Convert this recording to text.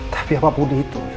tapi apapun itu